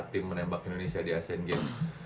tim menembak indonesia di asian games